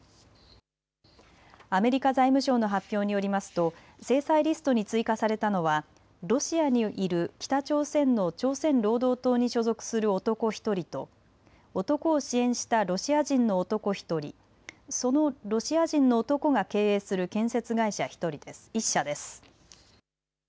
アメリカ財務省の発表によりますと制裁リストに追加されたのはロシアにいる北朝鮮の朝鮮労働党に所属する男１人と、男を支援したロシア人の男１人、そのロシア人の男が経営する建設会社１社です。